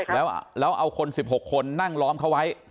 แล้วเอาคน๑๖คนนั่งล้อมเขาไว้